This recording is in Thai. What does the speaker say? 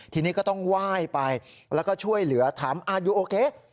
ทีนี้ก็ต้องไหว้ไปแล้วก็ช่วยเหลือถามอาดูโอเกะ